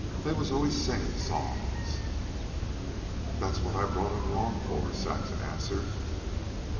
They was always singin' songs." "That's what I brought it along for," Saxon answered.